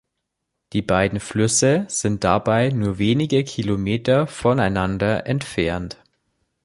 Die beiden Flüsse sind dabei nur wenige Kilometer voneinander entfernt.